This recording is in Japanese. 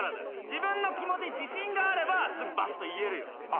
自分の気持ちに自信があればばしっと言えるよ。